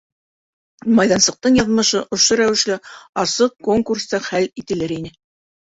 Майҙансыҡтың яҙмышы ошо рәүешле асыҡ конкурста хәл ителер ине.